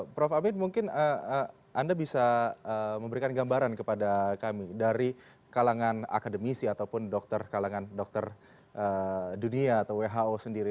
prof amin mungkin anda bisa memberikan gambaran kepada kami dari kalangan akademisi ataupun dokter kalangan dokter dunia atau who sendiri